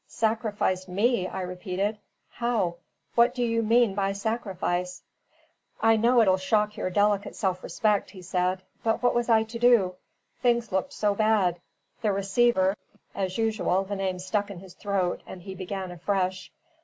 "Sacrificed me?" I repeated. "How? What do you mean by sacrifice?" "I know it'll shock your delicate self respect," he said; "but what was I to do? Things looked so bad. The receiver " (as usual, the name stuck in his throat, and he began afresh).